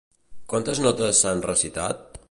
Quantes notes s'han recitat?